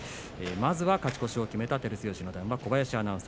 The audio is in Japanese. まずは勝ち越しを決めた照強です。